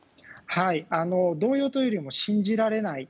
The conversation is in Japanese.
動揺というより信じられないと。